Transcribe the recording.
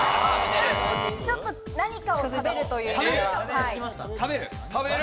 ちょっと何かを食べるというのは。